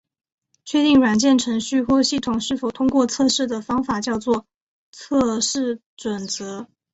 确定软件程序或系统是否通过测试的方法叫做测试准则。